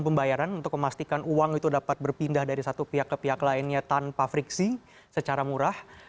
pembayaran untuk memastikan uang itu dapat berpindah dari satu pihak ke pihak lainnya tanpa friksi secara murah